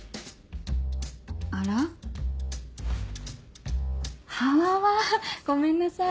あら？はわわごめんなさい。